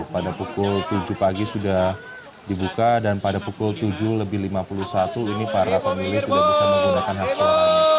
pada pukul tujuh pagi sudah dibuka dan pada pukul tujuh lebih lima puluh satu ini para pemilih sudah bisa menggunakan hak suaranya